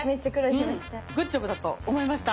グッジョブだと思いました。